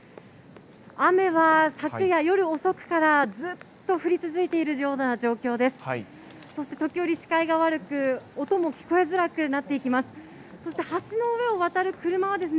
雨は昨夜、夜遅くから、ずっと降り続いているような状況です。